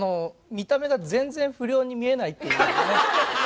見た目が全然不良に見えないっていうね。